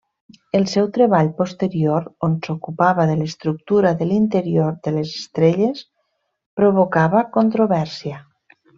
El seu treball posterior, on s'ocupava de l'estructura de l'interior de les estrelles, provocava controvèrsia.